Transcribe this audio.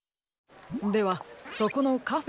ではそこのカフェ